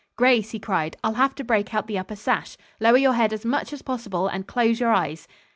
Grace," he cried, "I'll have to break out the upper sash. Lower your head as much as possible and close your eyes."